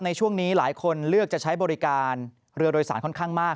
ในช่วงนี้หลายคนเลือกจะใช้บริการเรือโดยสารค่อนข้างมาก